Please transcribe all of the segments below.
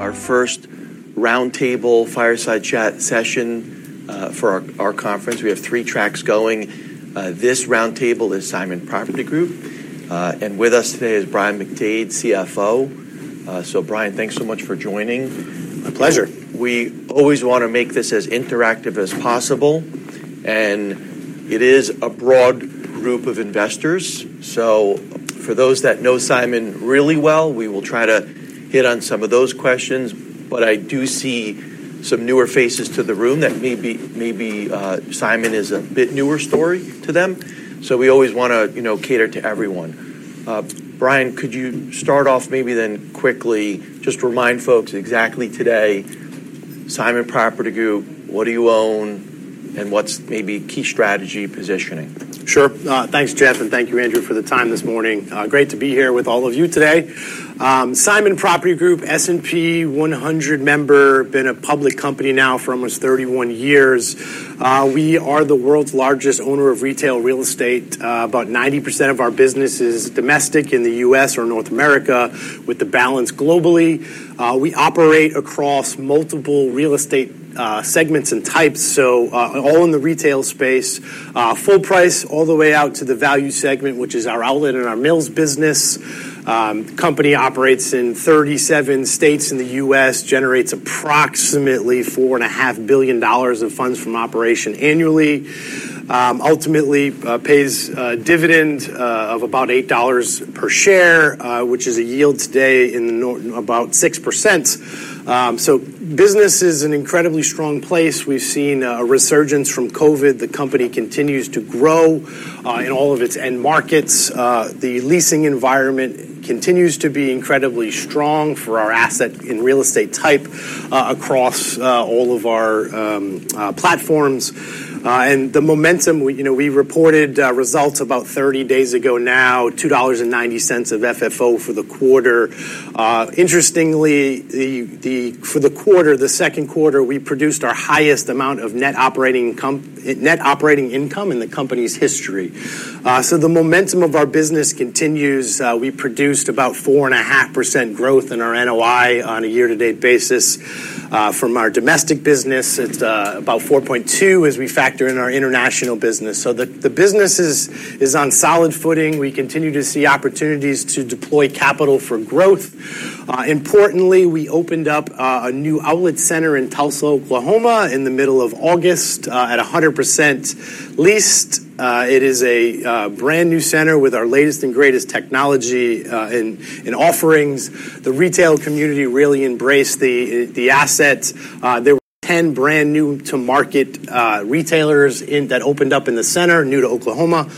Our first roundtable fireside chat session, for our conference. We have three tracks going. This roundtable is Simon Property Group, and with us today is Brian McDade, CFO. So Brian, thanks so much for joining. A pleasure. We always want to make this as interactive as possible, and it is a broad group of investors. So for those that know Simon really well, we will try to hit on some of those questions, but I do see some newer faces to the room that maybe Simon is a bit newer story to them. So we always want to, you know, cater to everyone. Brian, could you start off maybe then quickly just remind folks exactly today, Simon Property Group, what do you own, and what's maybe key strategy positioning? Sure. Thanks, Jeff, and thank you, Andrew, for the time this morning. Great to be here with all of you today. Simon Property Group, S&P 100 member, been a public company now for almost 31 years. We are the world's largest owner of retail real estate. About 90% of our business is domestic in the U.S. or North America, with the balance globally. We operate across multiple real estate segments and types, so all in the retail space, full price, all the way out to the value segment, which is our outlet and our Mills business. Company operates in thirty-seven states in the U.S., generates approximately $4.5 billion of funds from operation annually, ultimately pays a dividend of about $8 per share, which is a yield today of about 6%. So business is in an incredibly strong place. We've seen a resurgence from COVID. The company continues to grow in all of its end markets. The leasing environment continues to be incredibly strong for our asset in real estate type across all of our platforms. And the momentum, we, you know, we reported results about thirty days ago now, $2.90 of FFO for the quarter. Interestingly, for the quarter, the second quarter, we produced our highest amount of net operating income in the company's history. So the momentum of our business continues. We produced about 4.5% growth in our NOI on a year-to-date basis from our domestic business. It's about 4.2 as we factor in our international business. So the business is on solid footing. We continue to see opportunities to deploy capital for growth. Importantly, we opened up a new outlet center in Tulsa, Oklahoma, in the middle of August at 100% leased. It is a brand-new center with our latest and greatest technology and offerings. The retail community really embraced the asset. There were 10 brand new to market retailers in that opened up in the center, new to Oklahoma.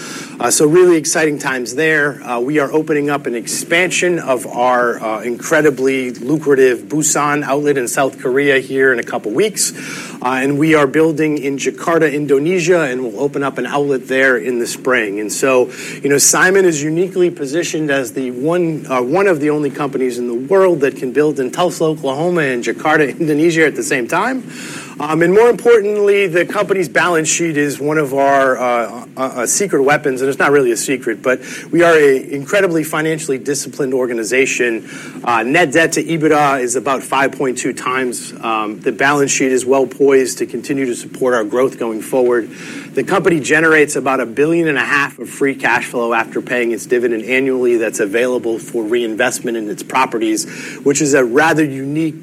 So really exciting times there. We are opening up an expansion of our incredibly lucrative Busan outlet in South Korea here in a couple of weeks. And we are building in Jakarta, Indonesia, and we'll open up an outlet there in the spring. And so, you know, Simon is uniquely positioned as the one, one of the only companies in the world that can build in Tulsa, Oklahoma, and Jakarta, Indonesia, at the same time. And more importantly, the company's balance sheet is one of our secret weapons, and it's not really a secret, but we are an incredibly financially disciplined organization. Net debt to EBITDA is about five point two times. The balance sheet is well poised to continue to support our growth going forward. The company generates about $1.5 billion of free cash flow after paying its dividend annually. That's available for reinvestment in its properties, which is a rather unique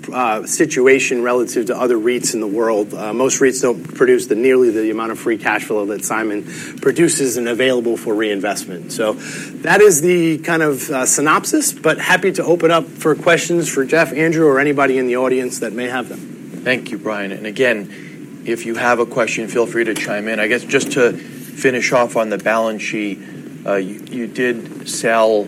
situation relative to other REITs in the world. Most REITs don't produce nearly the amount of free cash flow that Simon produces and available for reinvestment. So that is the kind of synopsis, but happy to open up for questions for Jeff, Andrew, or anybody in the audience that may have them. Thank you, Brian. And again, if you have a question, feel free to chime in. I guess just to finish off on the balance sheet, you did sell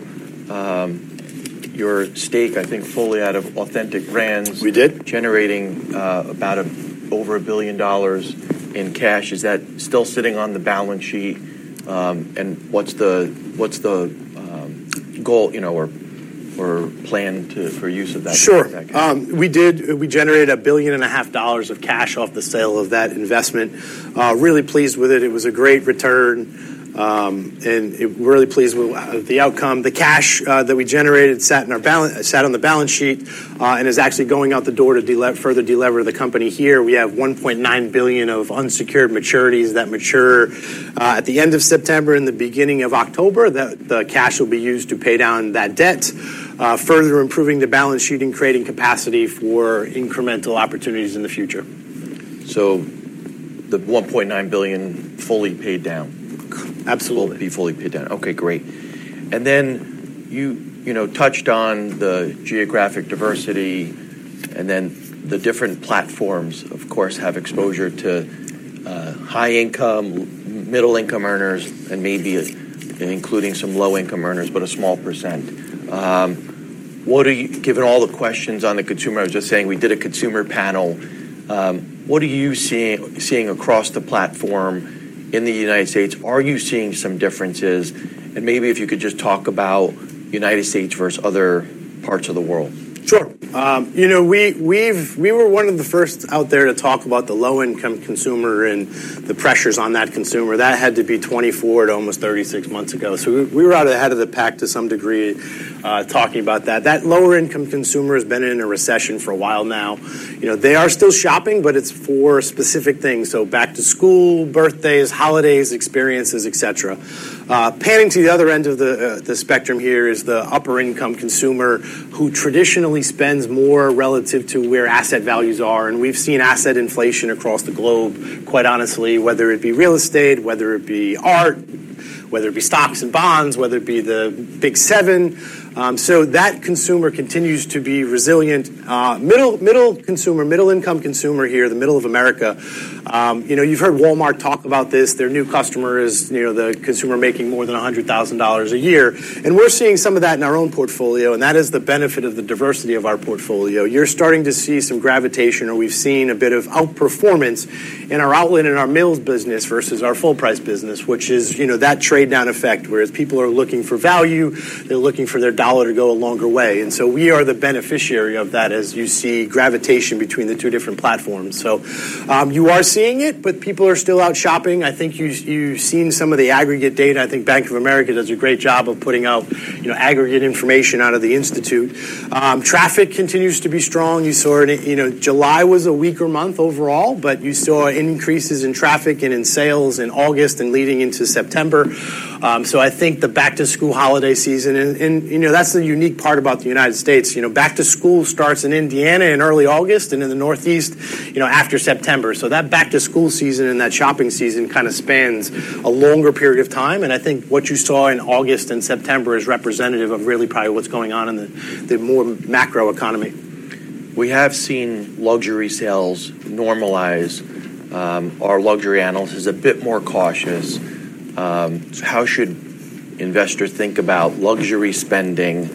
your stake, I think, fully out of Authentic Brands- We did. - generating about over $1 billion in cash. Is that still sitting on the balance sheet? And what's the goal, you know, or plan for use of that- Sure. - cash? We did. We generated $1.5 billion of cash off the sale of that investment. Really pleased with it. It was a great return, and we're really pleased with the outcome. The cash that we generated sat on the balance sheet, and is actually going out the door to further delever the company here. We have $1.9 billion of unsecured maturities that mature at the end of September and the beginning of October. The cash will be used to pay down that debt, further improving the balance sheet and creating capacity for incremental opportunities in the future. So the $1.9 billion fully paid down? Absolutely. Will be fully paid down. Okay, great. And then you, you know, touched on the geographic diversity, and then the different platforms, of course, have exposure to high-income, middle-income earners, and maybe including some low-income earners, but a small percent. Given all the questions on the consumer, I was just saying we did a consumer panel. What are you seeing across the platform in the United States? Are you seeing some differences? And maybe if you could just talk about United States versus other parts of the world. Sure. You know, we were one of the first out there to talk about the low-income consumer and the pressures on that consumer. That had to be twenty-four to almost thirty-six months ago. So we were out ahead of the pack to some degree, talking about that. That lower-income consumer has been in a recession for a while now. You know, they are still shopping, but it's for specific things, so back to school, birthdays, holidays, experiences, et cetera. Panning to the other end of the spectrum here is the upper-income consumer, who traditionally spends more relative to where asset values are, and we've seen asset inflation across the globe, quite honestly, whether it be real estate, whether it be art, whether it be stocks and bonds, whether it be the Big Seven. So that consumer continues to be resilient. Middle consumer, middle-income consumer here, the middle of America, you know, you've heard Walmart talk about this. Their new customer is, you know, the consumer making more than $100,000 a year, and we're seeing some of that in our own portfolio, and that is the benefit of the diversity of our portfolio. You're starting to see some gravitation, or we've seen a bit of outperformance in our outlet, in our Mills business versus our full-price business, which is, you know, that trade-down effect, whereas people are looking for value, they're looking for their dollar to go a longer way. And so we are the beneficiary of that, as you see gravitation between the two different platforms. You are seeing it, but people are still out shopping. I think you've seen some of the aggregate data. I think Bank of America does a great job of putting out, you know, aggregate information out of the institute. Traffic continues to be strong. You saw in July, you know. July was a weaker month overall, but you saw increases in traffic and in sales in August and leading into September. So I think the back-to-school holiday season, and you know, that's the unique part about the United States. You know, back to school starts in Indiana in early August, and in the Northeast, you know, after September. So that back-to-school season and that shopping season kind of spans a longer period of time, and I think what you saw in August and September is representative of really probably what's going on in the more macro economy. We have seen luxury sales normalize. Our luxury analyst is a bit more cautious. How should investors think about luxury spending,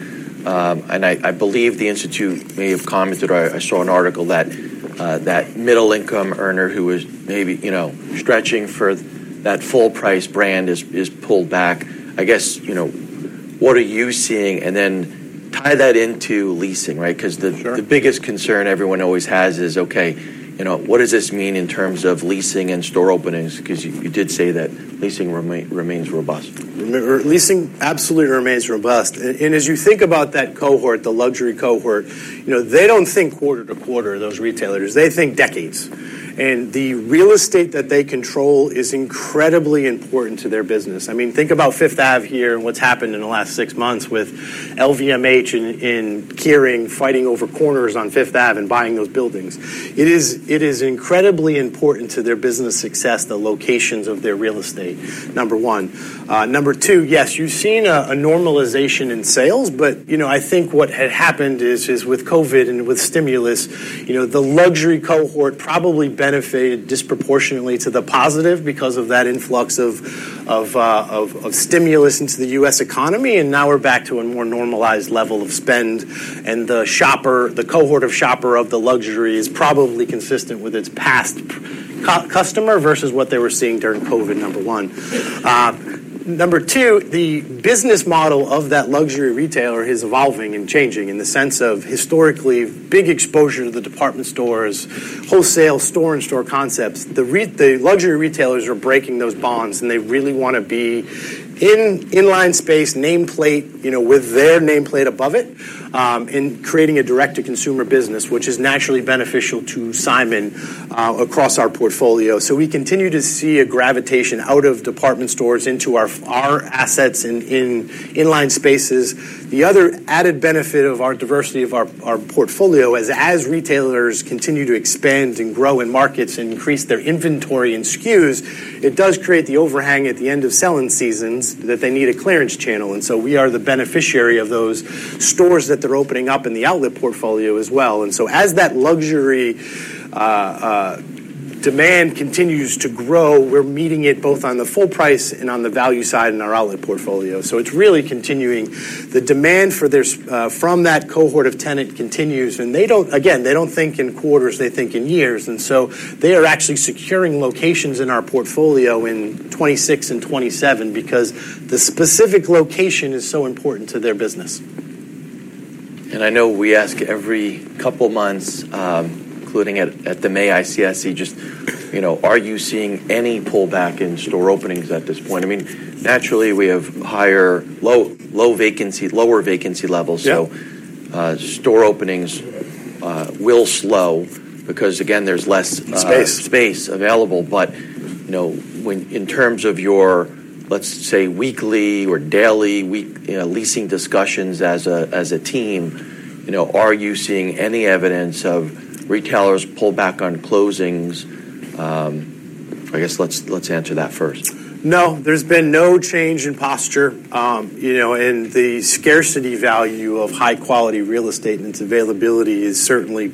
and I believe the institute may have commented, or I saw an article that middle-income earner who was maybe, you know, stretching for that full-price brand is pulled back. I guess, you know, what are you seeing, and then tie that into leasing, right? Sure. 'Cause the biggest concern everyone always has is, okay, you know, what does this mean in terms of leasing and store openings? 'Cause you did say that leasing remains robust. Leasing absolutely remains robust. And as you think about that cohort, the luxury cohort, you know, they don't think quarter-to-quarter, those retailers. They think decades. And the real estate that they control is incredibly important to their business. I mean, think about Fifth Avenue here and what's happened in the last six months with LVMH and Kering fighting over corners on Fifth Avenue and buying those buildings. It is incredibly important to their business success, the locations of their real estate, number one. Number two, yes, you've seen a normalization in sales, but, you know, I think what had happened is with COVID and with stimulus, you know, the luxury cohort probably benefited disproportionately to the positive because of that influx of stimulus into the U.S. economy, and now we're back to a more normalized level of spend. And the shopper, the cohort of shopper of the luxury, is probably consistent with its past customer versus what they were seeing during COVID, number one. Number two, the business model of that luxury retailer is evolving and changing in the sense of historically, big exposure to the department stores, wholesale store-in-store concepts. The luxury retailers are breaking those bonds, and they really wanna be in-line space, nameplate, you know, with their nameplate above it, and creating a direct-to-consumer business, which is naturally beneficial to Simon across our portfolio. So we continue to see a gravitation out of department stores into our assets in-line spaces. The other added benefit of our diversity of our portfolio is, as retailers continue to expand and grow in markets and increase their inventory and SKUs, it does create the overhang at the end of selling seasons that they need a clearance channel. And so we are the beneficiary of those stores that they're opening up in the outlet portfolio as well. And so as that luxury demand continues to grow, we're meeting it both on the full price and on the value side in our outlet portfolio. So it's really continuing. The demand for theirs from that cohort of tenants continues, and they don't. Again, they don't think in quarters, they think in years. And so they are actually securing locations in our portfolio in 2026 and 2027 because the specific location is so important to their business. I know we ask every couple months, including at the May ICSC, just, you know, are you seeing any pullback in store openings at this point? I mean, naturally, we have low vacancy, lower vacancy levels. Yeah. Store openings will slow because, again, there's less, Space... space available. But, you know, when in terms of your, let's say, weekly or daily, you know, leasing discussions as a team, you know, are you seeing any evidence of retailers pull back on closings? I guess let's answer that first. No, there's been no change in posture. You know, and the scarcity value of high-quality real estate, and its availability is certainly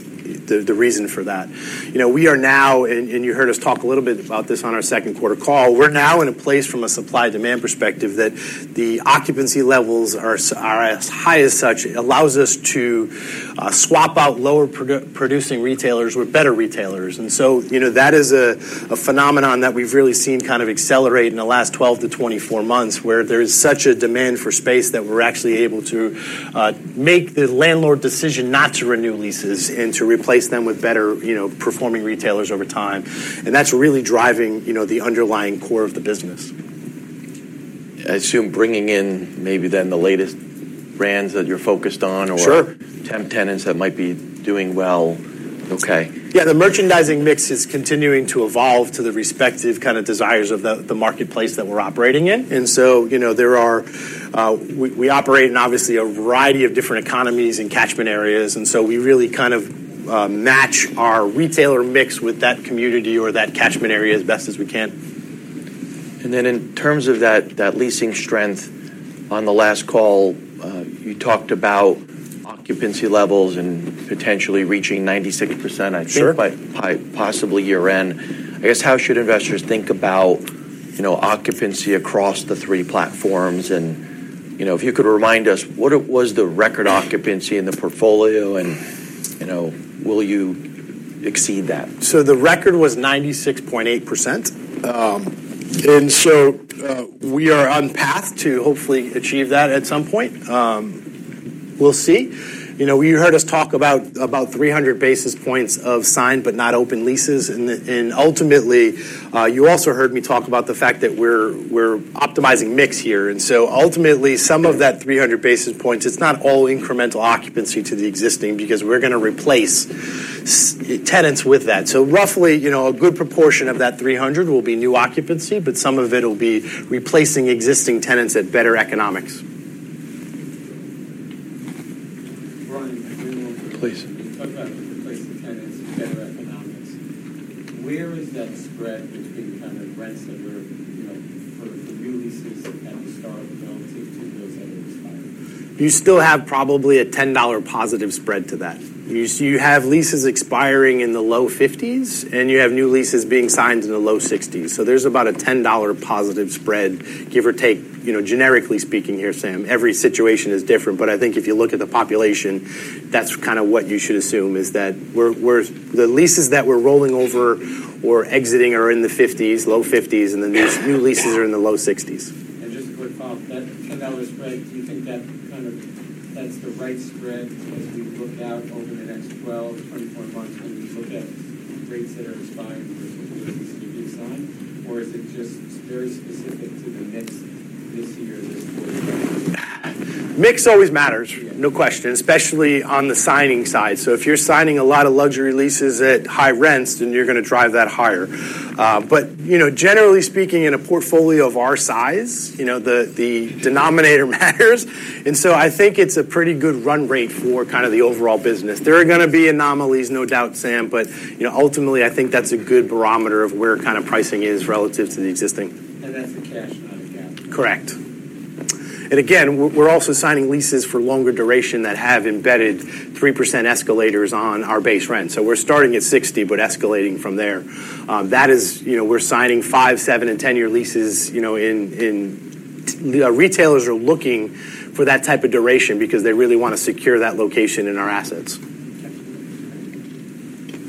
the reason for that. You know, we are now, and you heard us talk a little bit about this on our second quarter call, we're now in a place from a supply-demand perspective, that the occupancy levels are as high as such, it allows us to swap out lower producing retailers with better retailers. And so, you know, that is a phenomenon that we've really seen kind of accelerate in the last 12-24 months, where there is such a demand for space, that we're actually able to make the landlord decision not to renew leases, and to replace them with better, you know, performing retailers over time. That's really driving, you know, the underlying core of the business. I assume, bringing in maybe then the latest brands that you're focused on or- Sure tenants that might be doing well. Okay. Yeah, the merchandising mix is continuing to evolve to the respective kind of desires of the marketplace that we're operating in. And so, you know, we operate in, obviously, a variety of different economies and catchment areas, and so we really kind of match our retailer mix with that community or that catchment area as best as we can. And then, in terms of that, that leasing strength, on the last call, you talked about occupancy levels and potentially reaching 96%- Sure I think by possibly year-end. I guess how should investors think about, you know, occupancy across the three platforms? And, you know, if you could remind us, what it was the record occupancy in the portfolio? And, you know, will you exceed that? So the record was 96.8%. And so, we are on path to hopefully achieve that at some point. We'll see. You know, you heard us talk about 300 basis points of signed but not open leases. And ultimately, you also heard me talk about the fact that we're optimizing mix here. And so ultimately, some of that 300 basis points, it's not all incremental occupancy to the existing, because we're gonna replace tenants with that. So roughly, you know, a good proportion of that 300 will be new occupancy, but some of it will be replacing existing tenants at better economics. Brian, can we- Please. You talked about replacing tenants with better economics. Where is that spread between kind of rents that are, you know, for new leases at the start, relative to those that are expiring? You still have probably a $10 positive spread to that. You have leases expiring in the low fifties, and you have new leases being signed in the low sixties, so there's about a $10 positive spread, give or take. You know, generically speaking here, Sam, every situation is different, but I think if you look at the population, that's kind of what you should assume, is that the leases that we're rolling over or exiting are in the fifties, low fifties, and the new leases are in the low sixties. Just a quick follow-up, that $10 spread, do you think that kind of, that's the right spread as we look out over the next 12 to 24 months, when we look at rates that are expiring versus the new sign? Or is it just very specific to the mix this year, this quarter? Mix always matters. Yeah... no question, especially on the signing side, so if you're signing a lot of luxury leases at high rents, then you're gonna drive that higher. But you know, generally speaking, in a portfolio of our size, you know, the denominator matters, and so I think it's a pretty good run rate for kind of the overall business. There are gonna be anomalies, no doubt, Sam, but you know, ultimately, I think that's a good barometer of where kind of pricing is relative to the existing. That's the cash, not account? Correct. And again, we're also signing leases for longer duration that have embedded 3% escalators on our base rent. So we're starting at 60, but escalating from there. That is. You know, we're signing 5, 7, and 10-year leases, you know. The retailers are looking for that type of duration because they really wanna secure that location in our assets. Okay.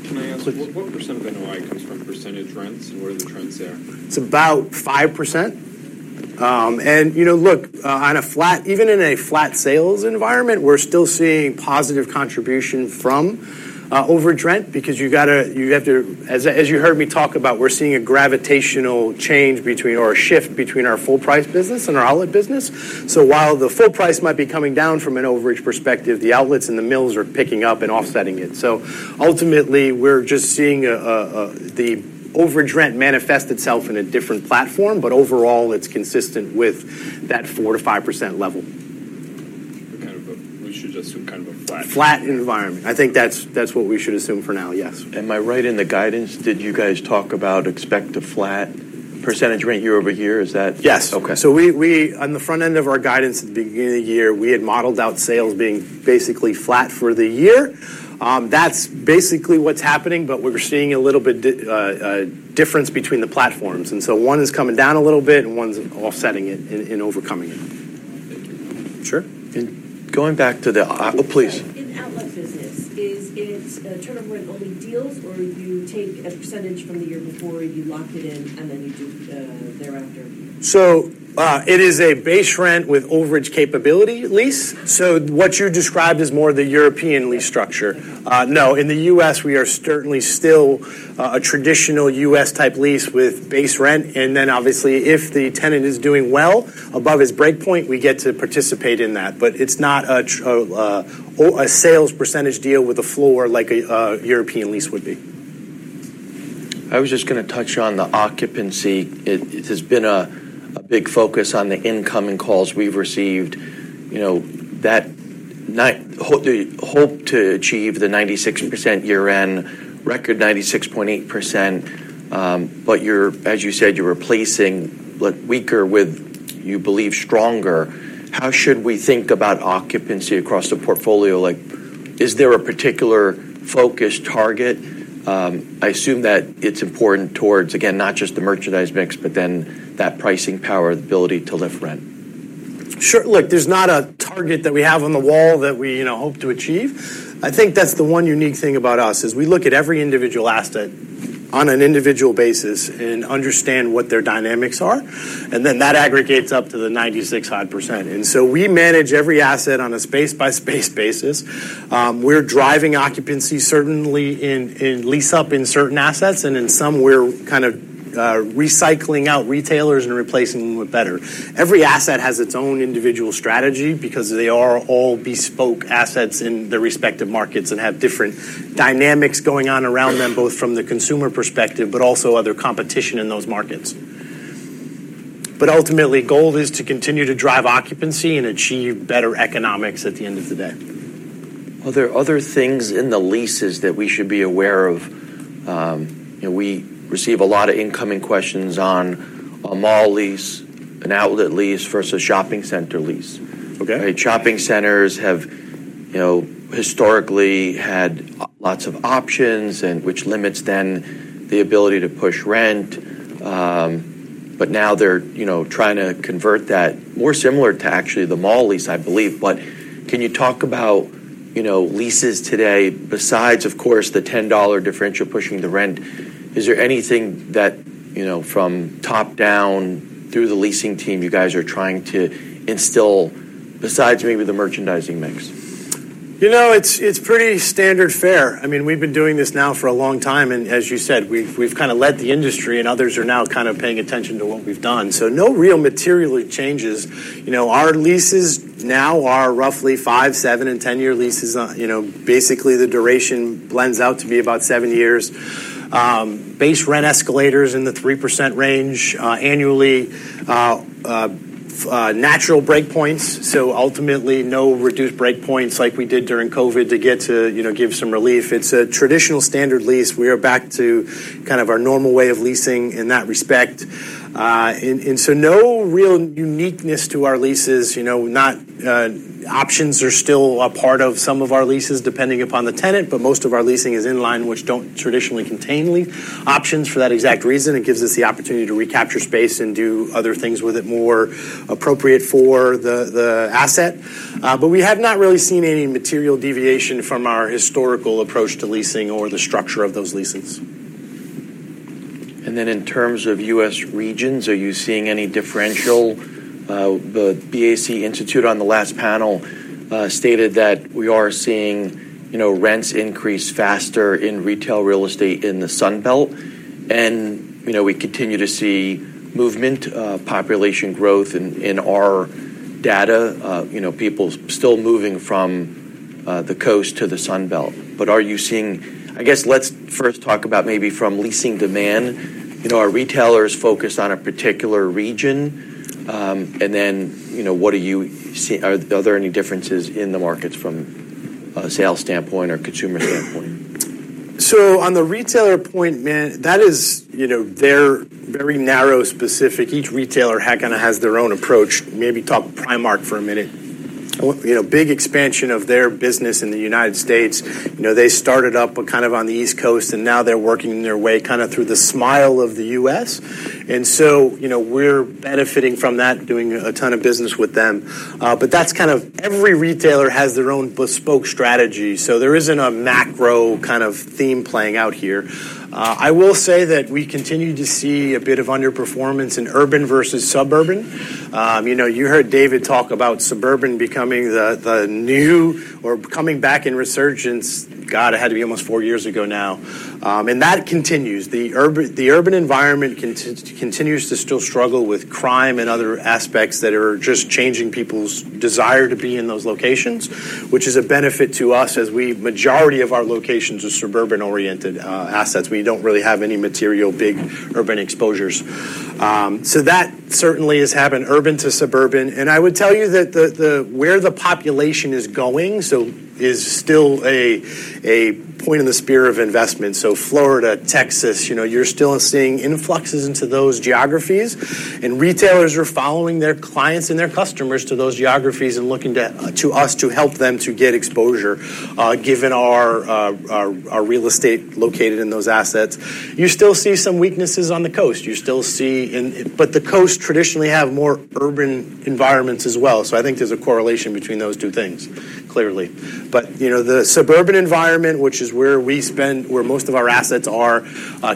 Can I ask- Please. What % of NOI comes from percentage rents, and what are the trends there? It's about 5%. And, you know, look, on a flat, even in a flat sales environment, we're still seeing positive contribution from overage rent, because you've gotta, you have to. As you heard me talk about, we're seeing a gravitational change between, or a shift between our full price business and our outlet business. So while the full price might be coming down from an overage perspective, the outlets and the Mills are picking up and offsetting it. So ultimately, we're just seeing the overage rent manifest itself in a different platform, but overall, it's consistent with that 4%-5% level. We should just assume kind of a flat- Flat environment. I think that's, that's what we should assume for now, yes. Am I right in the guidance? Did you guys talk about expect a flat percentage rent year over year? Is that- Yes. Okay. So we on the front end of our guidance at the beginning of the year, we had modeled out sales being basically flat for the year. That's basically what's happening, but we're seeing a little bit difference between the platforms, and so one is coming down a little bit, and one's offsetting it and overcoming it. Thank you. Sure. And going back to the. Oh, please. In the outlet business, is it a turnover in only deals, or do you take a percentage from the year before, you lock it in, and then you do thereafter? So, it is a base rent with overage capability lease. So what you described is more the European lease structure. Yeah. No. In the U.S., we are certainly still a traditional U.S.-type lease with base rent, and then obviously, if the tenant is doing well above his break point, we get to participate in that. But it's not a sales percentage deal with a floor like a European lease would be. I was just gonna touch on the occupancy. It has been a big focus on the incoming calls we've received. You know, we hope to achieve the 96% year-end, record 96.8%. But as you said, you're replacing, like, weaker with, you believe, stronger. How should we think about occupancy across the portfolio? Like, is there a particular focus target? I assume that it's important towards, again, not just the merchandise mix, but then that pricing power, the ability to lift rent. Sure. Look, there's not a target that we have on the wall that we, you know, hope to achieve. I think that's the one unique thing about us, is we look at every individual asset on an individual basis and understand what their dynamics are, and then that aggregates up to the 96%. And so we manage every asset on a space-by-space basis. We're driving occupancy, certainly in lease up in certain assets, and in some, we're kind of, recycling out retailers and replacing them with better. Every asset has its own individual strategy because they are all bespoke assets in their respective markets and have different dynamics going on around them, both from the consumer perspective, but also other competition in those markets. But ultimately, goal is to continue to drive occupancy and achieve better economics at the end of the day. Are there other things in the leases that we should be aware of? You know, we receive a lot of incoming questions on a mall lease, an outlet lease versus a shopping center lease. Okay. Shopping centers have, you know, historically had lots of options, and which limits then the ability to push rent. But now they're, you know, trying to convert that more similar to actually the mall lease, I believe. But can you talk about, you know, leases today, besides, of course, the $10 differential pushing the rent? Is there anything that, you know, from top down through the leasing team, you guys are trying to instill besides maybe the merchandising mix? You know, it's, it's pretty standard fare. I mean, we've been doing this now for a long time, and as you said, we've, we've kind of led the industry, and others are now kind of paying attention to what we've done, so no real material changes. You know, our leases now are roughly five, seven, and ten-year leases. You know, basically, the duration blends out to be about seven years. Base rent escalators in the 3% range, annually. Natural break points, so ultimately, no reduced break points like we did during COVID to get to, you know, give some relief. It's a traditional standard lease. We are back to kind of our normal way of leasing in that respect. And so no real uniqueness to our leases, you know, not... Options are still a part of some of our leases, depending upon the tenant, but most of our leasing is straight-line, which don't traditionally contain lease options for that exact reason. It gives us the opportunity to recapture space and do other things with it, more appropriate for the asset. But we have not really seen any material deviation from our historical approach to leasing or the structure of those leases. And then, in terms of U.S. regions, are you seeing any differential? The BAC Institute, on the last panel, stated that we are seeing, you know, rents increase faster in retail real estate in the Sun Belt. And, you know, we continue to see movement, population growth in our data, you know, people still moving from the coast to the Sun Belt. But are you seeing- I guess let's first talk about maybe from leasing demand. You know, are retailers focused on a particular region? And then, you know, what are you seeing- are there any differences in the markets from a sales standpoint or consumer standpoint? So on the retailer point, man, that is, you know, they're very narrow, specific. Each retailer kind of has their own approach. Maybe talk Primark for a minute. You know, big expansion of their business in the United States. You know, they started up kind of on the East Coast, and now they're working their way kind of through the Sun Belt of the U.S. And so, you know, we're benefiting from that, doing a ton of business with them. But that's kind of... Every retailer has their own bespoke strategy, so there isn't a macro kind of theme playing out here. I will say that we continue to see a bit of underperformance in urban versus suburban. You know, you heard David talk about suburban becoming the new or coming back in resurgence. God, it had to be almost four years ago now, and that continues. The urban environment continues to still struggle with crime and other aspects that are just changing people's desire to be in those locations, which is a benefit to us as we, majority of our locations are suburban-oriented assets. We don't really have any material, big urban exposures. So that certainly has happened, urban to suburban, and I would tell you that where the population is going, so is still a point in the sphere of investment. Florida, Texas, you know, you're still seeing influxes into those geographies, and retailers are following their clients and their customers to those geographies and looking to us to help them to get exposure, given our real estate located in those assets. You still see some weaknesses on the coast. But the coast traditionally have more urban environments as well, so I think there's a correlation between those two things, clearly. But, you know, the suburban environment, which is where we spend, where most of our assets are,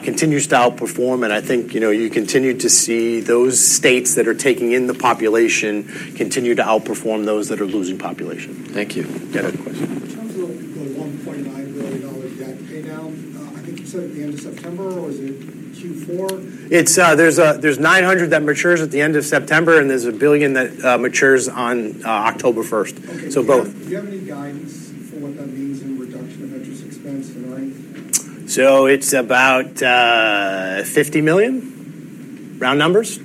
continues to outperform, and I think, you know, you continue to see those states that are taking in the population continue to outperform those that are losing population. Thank you. You had a question. In terms of the $1.9 billion debt paydown, I think you said at the end of September, or is it Q4? It's, there's $900 million that matures at the end of September, and there's $1 billion that matures on October 1st. Okay. So both. Do you have any guidance for what that means in reduction of interest expense and length? So it's about fifty million, round numbers?...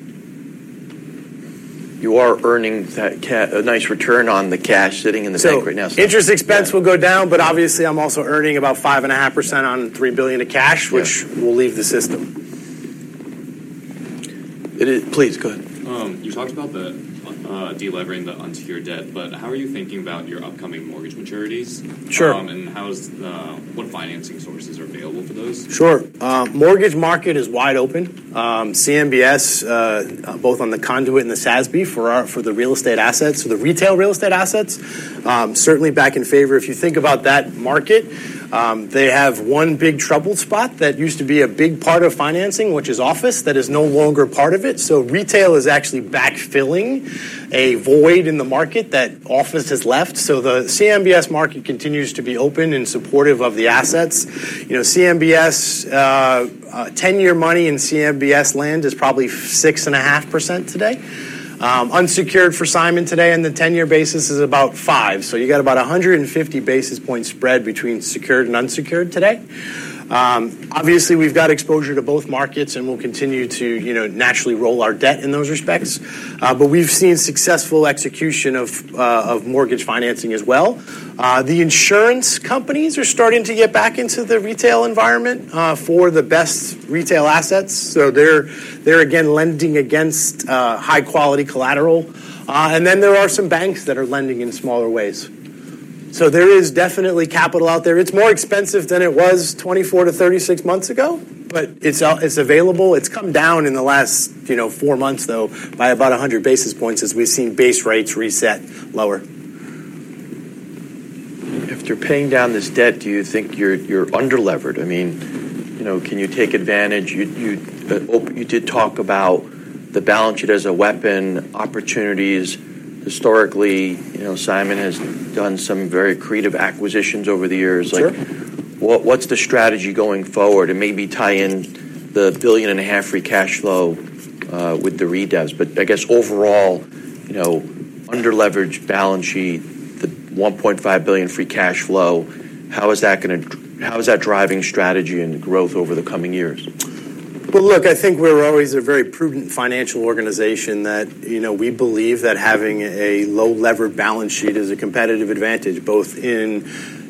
you are earning that, a nice return on the cash sitting in the bank right now. Interest expense will go down, but obviously, I'm also earning about 5.5% on $3 billion of cash- Yeah. which will leave the system. It is. Please, go ahead. You talked about the de-levering the unsecured debt, but how are you thinking about your upcoming mortgage maturities? Sure. What financing sources are available for those? Sure. Mortgage market is wide open. CMBS, both on the conduit and the SASB, for our retail real estate assets, certainly back in favor. If you think about that market, they have one big troubled spot that used to be a big part of financing, which is office, that is no longer part of it. So retail is actually backfilling a void in the market that office has left. So the CMBS market continues to be open and supportive of the assets. You know, CMBS, ten-year money in CMBS land is probably 6.5% today. Unsecured for Simon today on the ten-year basis is about 5%. So you got about 150 basis points spread between secured and unsecured today. Obviously, we've got exposure to both markets, and we'll continue to, you know, naturally roll our debt in those respects. But we've seen successful execution of mortgage financing as well. The insurance companies are starting to get back into the retail environment for the best retail assets, so they're again lending against high-quality collateral. And then there are some banks that are lending in smaller ways. So there is definitely capital out there. It's more expensive than it was 24-36 months ago, but it's available. It's come down in the last, you know, four months, though, by about 100 basis points as we've seen base rates reset lower. After paying down this debt, do you think you're under-levered? I mean, you know, can you take advantage? But, you did talk about the balance sheet as a weapon, opportunities. Historically, you know, Simon has done some very creative acquisitions over the years. Sure. Like, what, what's the strategy going forward, and maybe tie in the $1.5 billion free cash flow with the redevs? But I guess overall, you know, under-leveraged balance sheet, the $1.5 billion free cash flow, how is that gonna... How is that driving strategy and growth over the coming years? Well, look, I think we're always a very prudent financial organization that, you know, we believe that having a low-levered balance sheet is a competitive advantage, both in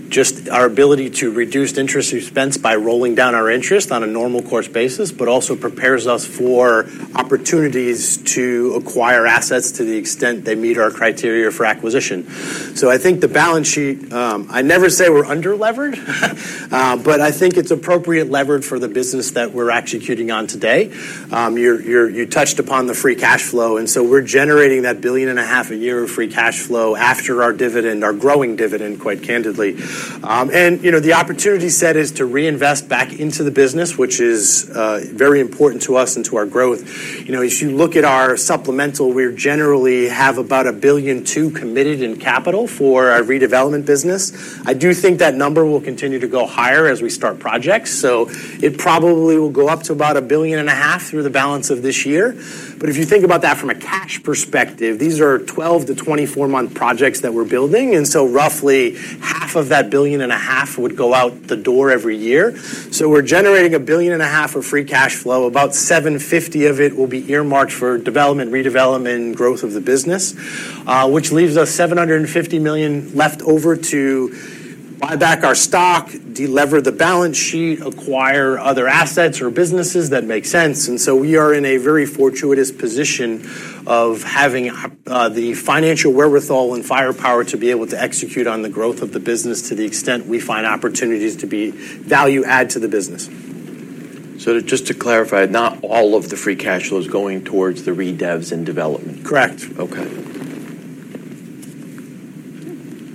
just our ability to reduce interest expense by rolling down our interest on a normal course basis, but also prepares us for opportunities to acquire assets to the extent they meet our criteria for acquisition. So I think the balance sheet, I'd never say we're under-levered, but I think it's appropriate leverage for the business that we're executing on today. You touched upon the free cash flow, and so we're generating that $1.5 billion a year of free cash flow after our dividend, our growing dividend, quite candidly. And, you know, the opportunity set is to reinvest back into the business, which is, very important to us and to our growth. You know, as you look at our supplemental, we generally have about $1.2 billion committed in capital for our redevelopment business. I do think that number will continue to go higher as we start projects, so it probably will go up to about $1.5 billion through the balance of this year. But if you think about that from a cash perspective, these are 12- to 24-month projects that we're building, and so roughly half of that $1.5 billion would go out the door every year. So we're generating $1.5 billion of free cash flow. About $750 million of it will be earmarked for development, redevelopment, and growth of the business, which leaves us $750 million left over to buy back our stock, de-lever the balance sheet, acquire other assets or businesses that make sense. And so we are in a very fortuitous position of having the financial wherewithal and firepower to be able to execute on the growth of the business to the extent we find opportunities to be value add to the business. So just to clarify, not all of the free cash flow is going towards the redevs and development? Correct. Okay.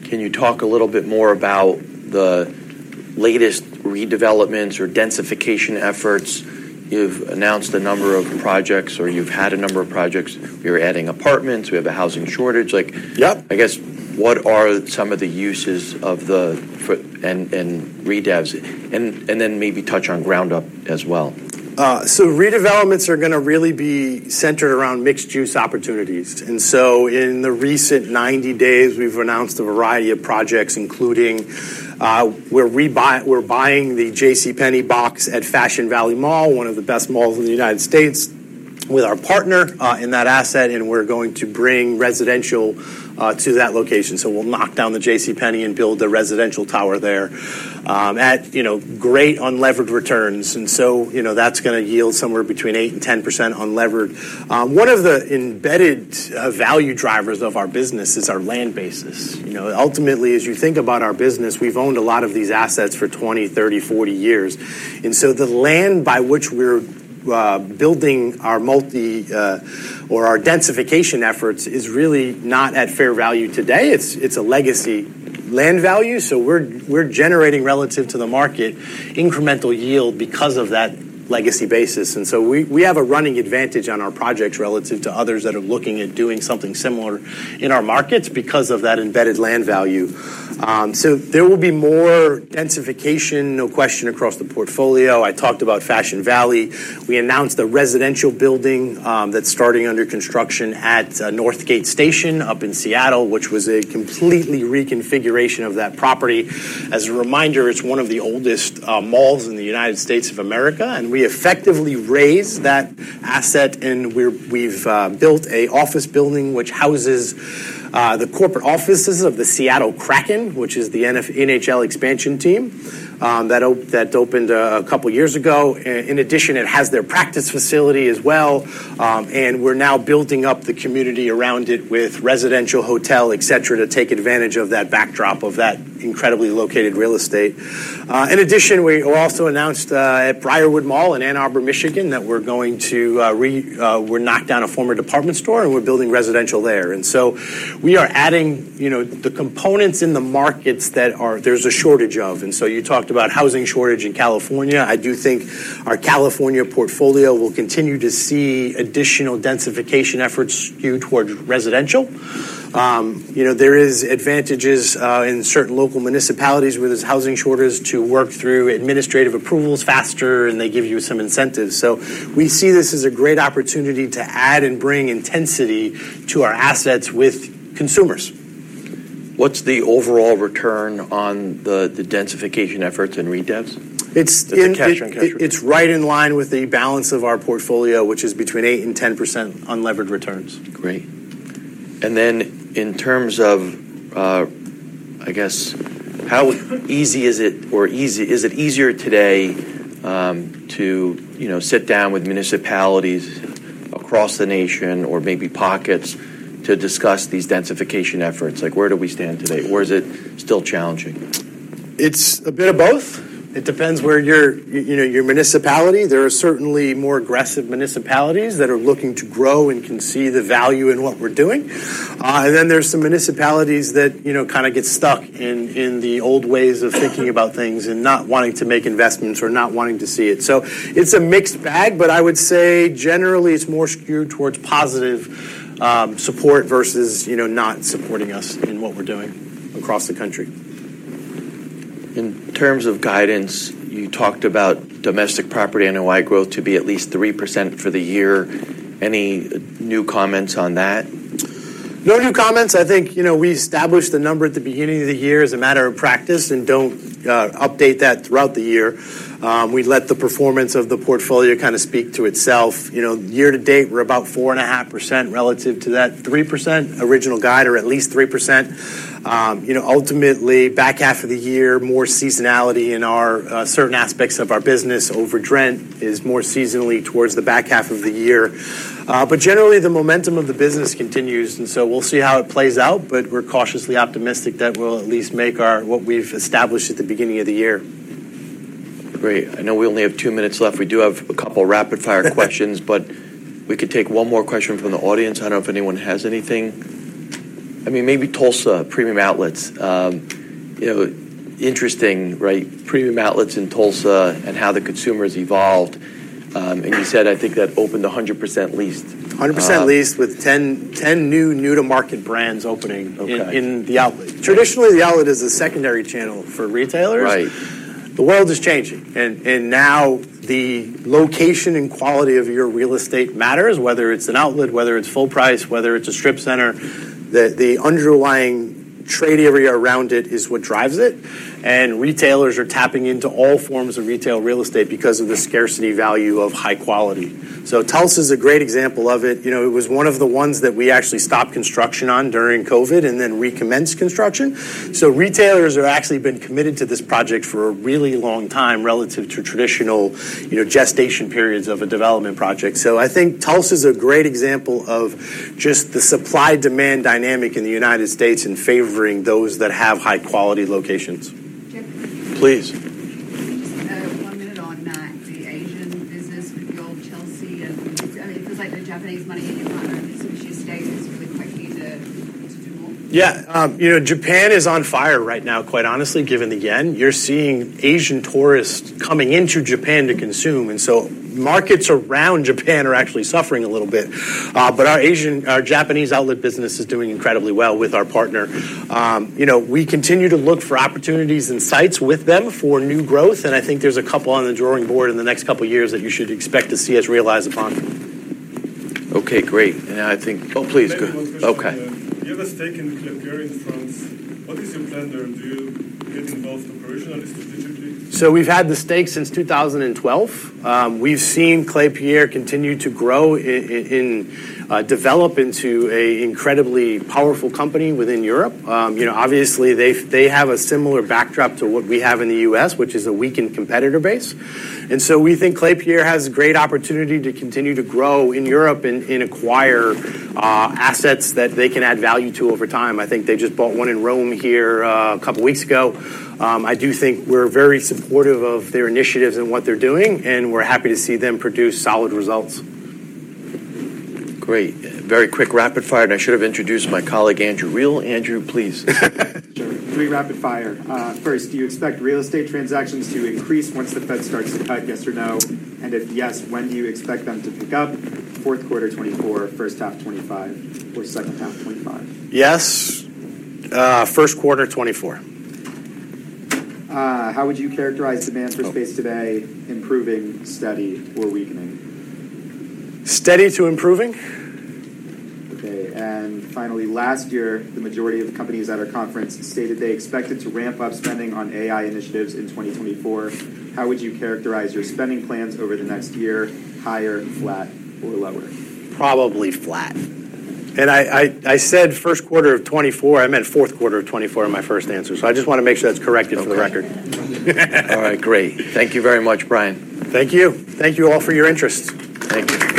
Can you talk a little bit more about the latest redevelopments or densification efforts? You've announced a number of projects, or you've had a number of projects. You're adding apartments. We have a housing shortage, like Yep. I guess, what are some of the uses of the footprint and redevs, and then maybe touch on ground up as well? So redevelopments are gonna really be centered around mixed-use opportunities. And so in the recent 90 days, we've announced a variety of projects, including, we're buying the JCPenney box at Fashion Valley Mall, one of the best malls in the United States, with our partner in that asset, and we're going to bring residential to that location. So we'll knock down the JCPenney and build a residential tower there at you know great unlevered returns. And so you know that's gonna yield somewhere between 8% and 10% unlevered. One of the embedded value drivers of our business is our land bases. You know, ultimately, as you think about our business, we've owned a lot of these assets for twenty, thirty, forty years, and so the land by which we're building our densification efforts is really not at fair value today. It's a legacy land value, so we're generating relative to the market, incremental yield because of that legacy basis. And so we have a running advantage on our projects relative to others that are looking at doing something similar in our markets because of that embedded land value. So there will be more densification, no question, across the portfolio. I talked about Fashion Valley. We announced a residential building that's starting under construction at Northgate Station up in Seattle, which was a complete reconfiguration of that property. As a reminder, it's one of the oldest malls in the United States of America, and we effectively raised that asset, and we've built a office building which houses the corporate offices of the Seattle Kraken, which is the NHL expansion team, that opened a couple of years ago. In addition, it has their practice facility as well, and we're now building up the community around it with residential, hotel, et cetera, to take advantage of that backdrop of that incredibly located real estate. In addition, we also announced at Briarwood Mall in Ann Arbor, Michigan, that we're going to, we knocked down a former department store, and we're building residential there. So we are adding, you know, the components in the markets that are. There's a shortage of. And so you talked about housing shortage in California. I do think our California portfolio will continue to see additional densification efforts skewed towards residential. You know, there is advantages in certain local municipalities where there's housing shortages, to work through administrative approvals faster, and they give you some incentives. So we see this as a great opportunity to add and bring intensity to our assets with consumers. What's the overall return on the densification efforts and redevs? It's, it- The cash-on-cash return. It's right in line with the balance of our portfolio, which is between 8% and 10% unlevered returns. Great. And then, in terms of, I guess, how easy is it or easy-- is it easier today, to, you know, sit down with municipalities across the nation or maybe pockets, to discuss these densification efforts? Like, where do we stand today, or is it still challenging? It's a bit of both. It depends where your, you know, your municipality. There are certainly more aggressive municipalities that are looking to grow and can see the value in what we're doing. Then there's some municipalities that, you know, kind of get stuck in the old ways of thinking about things and not wanting to make investments or not wanting to see it. So it's a mixed bag, but I would say generally it's more skewed towards positive support versus, you know, not supporting us in what we're doing across the country. In terms of guidance, you talked about domestic property NOI growth to be at least 3% for the year. Any new comments on that? No new comments. I think, you know, we established the number at the beginning of the year as a matter of practice and don't update that throughout the year. We let the performance of the portfolio kind of speak to itself. You know, year to date, we're about 4.5% relative to that 3% original guide, or at least 3%. You know, ultimately, back half of the year, more seasonality in our certain aspects of our business. Overage rent is more seasonally towards the back half of the year. But generally, the momentum of the business continues, and so we'll see how it plays out, but we're cautiously optimistic that we'll at least make our what we've established at the beginning of the year. Great. I know we only have two minutes left. We do have a couple rapid-fire questions, but we could take one more question from the audience. I don't know if anyone has anything. I mean, maybe Tulsa Premium Outlets. You know, interesting, right, Premium Outlets in Tulsa and how the consumer's evolved. And you said, I think, that opened 100% leased. 100% leased with 10 new-to-market brands opening- Okay... in the outlet. Traditionally, the outlet is a secondary channel for retailers. Right. The world is changing, and now the location and quality of your real estate matters, whether it's an outlet, whether it's full price, whether it's a strip center. The underlying trade area around it is what drives it, and retailers are tapping into all forms of retail real estate because of the scarcity value of high quality. So Tulsa is a great example of it. You know, it was one of the ones that we actually stopped construction on during COVID and then recommenced construction. So retailers have actually been committed to this project for a really long time, relative to traditional, you know, gestation periods of a development project. So I think Tulsa is a great example of just the supply-demand dynamic in the United States in favoring those that have high-quality locations. Jeff? Please. One minute on the Asian business with old Chelsea, and, I mean, it seems like the Japanese money in Sun Belt states is really quickly to do more. Yeah, you know, Japan is on fire right now, quite honestly, given the yen. You're seeing Asian tourists coming into Japan to consume, and so markets around Japan are actually suffering a little bit, but our Asian, our Japanese outlet business is doing incredibly well with our partner. You know, we continue to look for opportunities and sites with them for new growth, and I think there's a couple on the drawing board in the next couple of years that you should expect to see us realize upon. Okay, great. And I think... Oh, please, go. One more question. Okay. You have a stake in Klépierre in France. What is your plan there? Do you get involved operationally, strategically? We've had the stake since 2012. We've seen Klépierre continue to grow, develop into an incredibly powerful company within Europe. You know, obviously, they have a similar backdrop to what we have in the U.S., which is a weakened competitor base. And so we think Klépierre has great opportunity to continue to grow in Europe and acquire assets that they can add value to over time. I think they just bought one in Rome here a couple of weeks ago. I do think we're very supportive of their initiatives and what they're doing, and we're happy to see them produce solid results. Great. Very quick, rapid-fire, and I should have introduced my colleague, Andrew Reale. Andrew, please. Three, rapid-fire. First, do you expect real estate transactions to increase once the Fed starts to cut, yes or no? And if yes, when do you expect them to pick up, fourth quarter 2024, first half 2025, or second half 2025? Yes, first quarter 2024. How would you characterize demand for space today, improving, steady, or weakening? Steady to improving. Okay, and finally, last year, the majority of companies at our conference stated they expected to ramp up spending on AI initiatives in 2024. How would you characterize your spending plans over the next year: higher, flat, or lower? Probably flat. And I said first quarter of 2024, I meant fourth quarter of 2024 in my first answer, so I just want to make sure that's corrected for the record. All right, great. Thank you very much, Brian. Thank you. Thank you all for your interest. Thank you.